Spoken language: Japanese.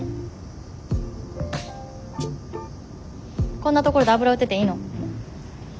こんなところで油売ってていいの？